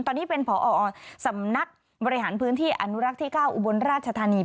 ตอนนี้เป็นผอสำนักบริหารพื้นที่อนุรักษ์ที่๙อุบลราชธานี